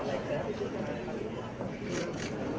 อันนี้คือ๑จานที่คุณคุณค่อยอยู่ด้านข้างข้างนั้น